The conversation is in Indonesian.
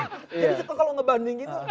jadi itu kalau ngebanding gitu itu sejarah lah